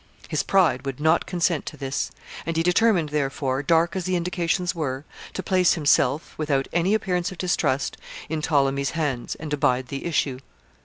His pride would not consent to this, and he determined, therefore, dark as the indications were, to place himself, without any appearance of distrust, in Ptolemy's hands, and abide the issue.